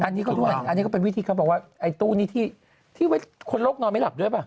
อันนี้ก็เป็นวิธีเขาบอกว่าไอ้ตู้นี้ที่ไว้คนโรคนอนไม่หลับด้วยป่ะ